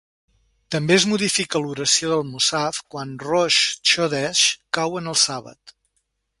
També es modifica l'oració del mussaf quan Rosh Chodesh cau en el sàbat.